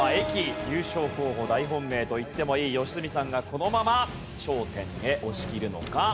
優勝候補大本命といってもいい良純さんがこのまま頂点へ押し切るのか？